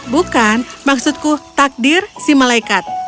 bukan maksudku takdir si malaikat